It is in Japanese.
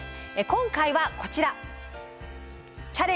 今回はこちら。